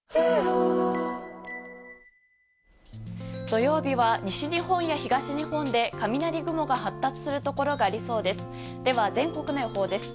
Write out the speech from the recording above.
土曜日は西日本や東日本で雷雲が発達するところがありそうです。